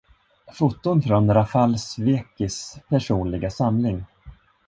Foton från Rafal Swieckis personliga samling.